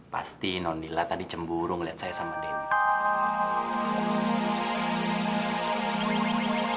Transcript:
pasti non lila tadi cemburu ngeliat saya sama dewi